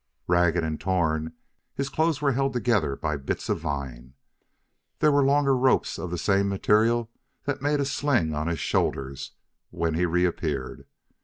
Ragged and torn, his clothes were held together by bits of vine. There were longer ropes of the same material that made a sling on his shoulders when he reappeared.